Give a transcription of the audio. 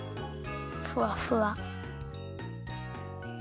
ふわふわ。